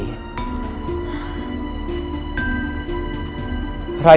jauh lebih baik rai